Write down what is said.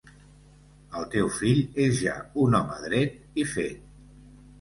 El teu fill és ja un home dret i fet.